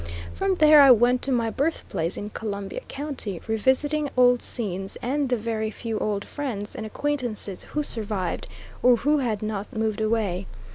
From there I went to my birthplace in Columbia County, revisiting old scenes and the very few old friends and acquaintances who survived, or who had not moved away.